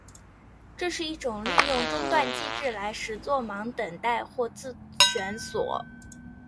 这是一种利用中断机制来实作忙等待或自旋锁。